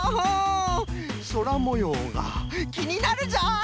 そらもようがきになるぞい！